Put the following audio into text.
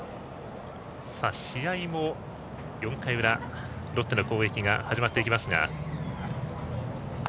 試合も４回裏ロッテの攻撃が始まっています。